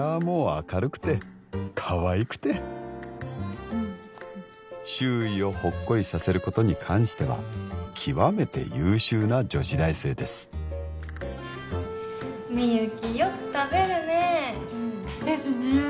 もう明るくてかわいくて周囲をほっこりさせることに関しては極めて優秀な女子大生です・みゆきよく食べるねですね